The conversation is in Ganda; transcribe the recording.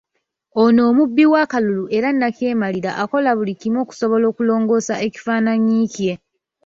Ono omubbi w'akalulu era nnakyemalira akola buli kimu okusobola okulongoosa ekifaananyi kye.